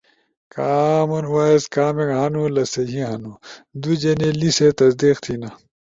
کامن وائس کامک ہنُو لہ سہی ہنُو دُو جنے لیسے تصدیق تھینا۔